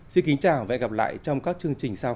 xin kính chào và hẹn gặp lại trong các chương trình sau